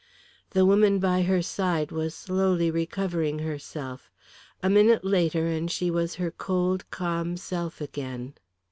The woman by her side was slowly recovering herself. A minute later and she was her cold calm self again.